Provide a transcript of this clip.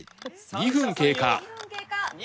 ２分経過。